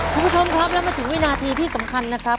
คุณผู้ชมครับแล้วมาถึงวินาทีที่สำคัญนะครับ